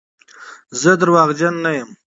زه درواغجن نه یم.